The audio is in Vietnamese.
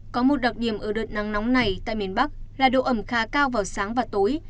có một đặc điểm ở đợt nắng nóng này tại miền bắc là độ ẩm khá cao vào sáng và tối